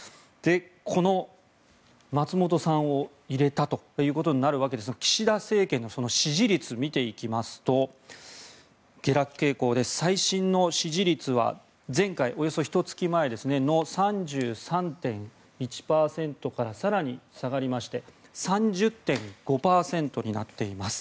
この松本さんを入れたということになるわけですが岸田政権の支持率を見ていきますと下落傾向で最新の支持率は前回ひと月前の３３．１％から更に下がりまして３０．５％になっています。